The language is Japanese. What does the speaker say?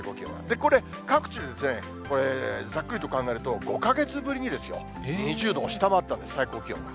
これ、各地、ざっくりと考えると、５か月ぶりに２０度を下回ったんです、最高気温。